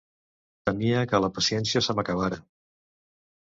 Temia que la paciència se m'acabara...